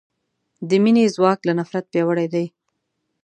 د مینې ځواک له نفرت پیاوړی دی.